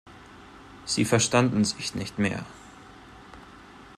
Sie verstanden sich nicht mehr.